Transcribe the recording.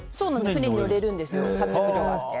船に乗れるんですよ。